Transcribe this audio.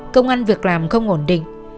công ăn việc làm không ổn định